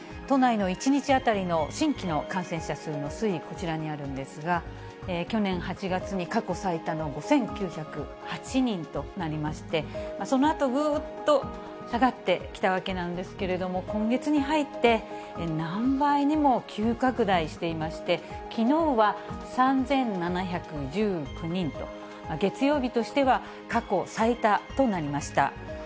都内の１日当たりの新規の感染者数の推移、こちらにあるんですが、去年８月に過去最多の５９０８人となりまして、そのあとぐーっと下がってきたわけなんですけれども、今月に入って、何倍にも急拡大していまして、きのうは３７１９人と、月曜日としては過去最多となりました。